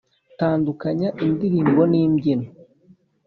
tandukanya indirimbo n’imbyino.